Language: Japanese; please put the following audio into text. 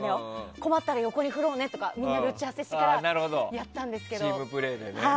困ったら横に振ろうねとかみんなで打ち合わせしてチームプレーでね。